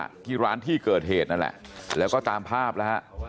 ที่ร้านที่เกิดเหตุนั่นแหละแล้วก็ตามภาพแล้วฮะ